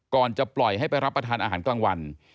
ก่อนจะปล่อยให้ไปรับประทานอาหารกลางวัน